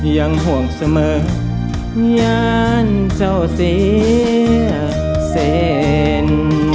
ยังห่วงเสมอยานเจ้าเสียเซน